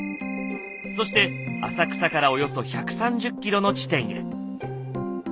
そして浅草からおよそ１３０ｋｍの地点へ。